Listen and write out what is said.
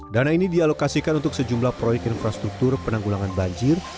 dana ini dialokasikan untuk sejumlah proyek infrastruktur penanggulangan banjir